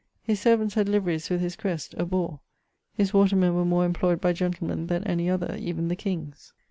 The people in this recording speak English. His servants had liveries with his crest (a boare ...); his watermen were more imployed by gentlemen then any other, even the king's.